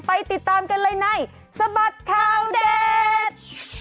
ไปติดตามกันเลยในสบัดข่าวเด็ด